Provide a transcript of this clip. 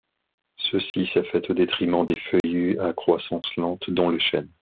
Ceci s'est fait au détriment des feuillus à croissance lente, dont le chêne.